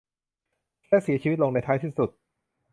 และเสียชีวิตลงในท้ายที่สุด